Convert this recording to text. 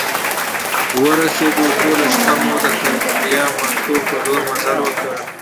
ورسیدو، ټوله شپه مو د ټګلیامنتو په لور مزل وکړ.